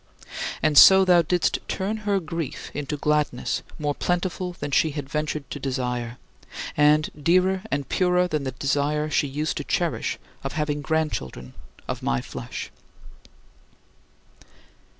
And so thou didst turn her grief into gladness more plentiful than she had ventured to desire, and dearer and purer than the desire she used to cherish of having grandchildren of my flesh.